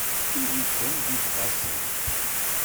Ili-ken d ibɣasen.